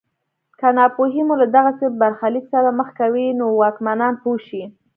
که ناپوهي مو له دغسې برخلیک سره مخ کوي نو واکمنان پوه شي.